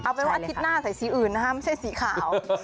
เอาเป็นว่าอาทิตย์หน้าใส่สีอื่นนะคะไม่ใช่สีขาว